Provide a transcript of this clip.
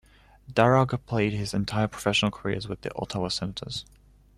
Darragh played his entire professional career with the Ottawa Senators.